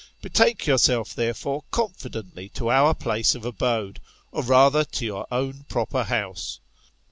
Betake yourself therefore confidently to our place of abode, or rather to your own proper house.